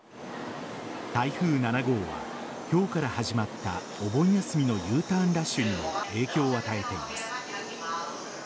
台風７号は、今日から始まったお盆休みのＵターンラッシュにも影響を与えています。